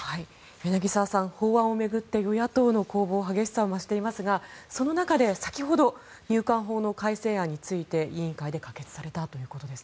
柳澤さん、法案を巡って与野党の攻防激しさを増していますがその中で先ほど入管法の改正案について委員会で可決されたということです。